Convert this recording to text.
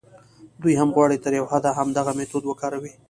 دوی هم غواړي تر یوه حده همدغه میتود وکاروي.